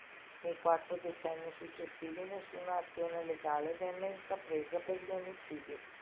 Nei quattro decenni successivi nessuna azione legale venne intrapresa per gli omicidi.